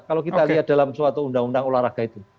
kalau kita lihat dalam suatu undang undang olahraga itu